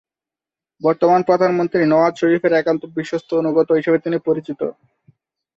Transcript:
বর্তমান প্রধানমন্ত্রী নওয়াজ শরীফের একান্ত বিশ্বস্ত ও অনুগত হিসেবে পরিচিত তিনি।